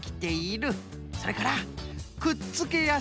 それからくっつけやすい。